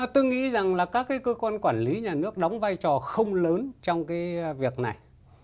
tôi nghĩ rằng là các cơ quan quản lý nhà nước đóng vai trò không lớn trong cái việc này